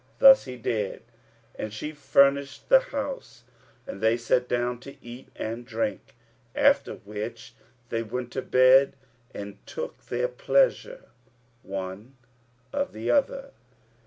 Thus he did, and she furnished the house and they sat down to eat and drink; after which they went to bed and took their pleasure one of the other.